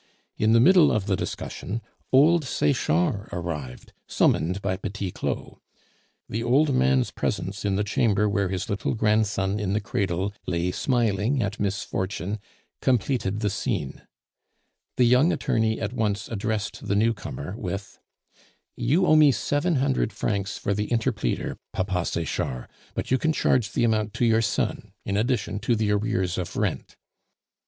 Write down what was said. In the middle of the discussion old Sechard arrived, summoned by Petit Claud. The old man's presence in the chamber where his little grandson in the cradle lay smiling at misfortune completed the scene. The young attorney at once addressed the newcomer with: "You owe me seven hundred francs for the interpleader, Papa Sechard; but you can charge the amount to your son in addition to the arrears of rent."